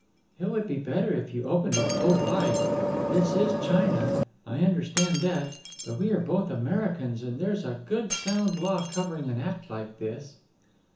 "It would be better if you opened it full wide. This is China I understand that. But we are both Americans, and there's a good sound law covering an act like this."